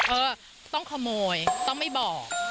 เออต้องขโมยต้องไม่บอก